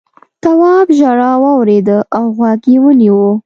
تواب ژړا واورېده او غوږ یې ونيو.